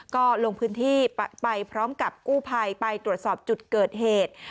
ก็ลงพื้นที่ไปพร้อมกับกู้ภัยไปตรวจสอบจุดเกิดเหตุ